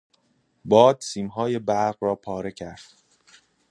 باد سیمهای برق را پاره کرد.